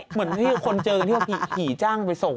เหมือนที่คนเจอกันที่ขายจ้างไปส่ง